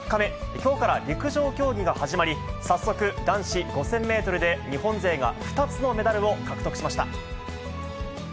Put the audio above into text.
きょうから陸上競技が始まり、早速、男子５０００メートルで、日本勢が２つのメダルを獲得しました。